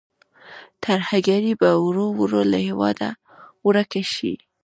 ترهګري به ورو ورو له هېواده ورکه شي.